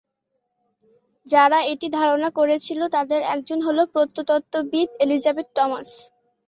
যারা এটি ধারণা করেছিল তাদের একজন হলেন প্রত্নতত্ত্ববিদ এলিজাবেথ টমাস।